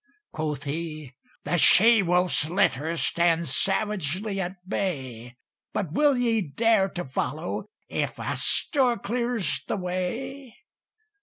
Quoth he, "The she wolf's litter Stand savagely at bay: But will ye dare to follow, If Astur clears the way?"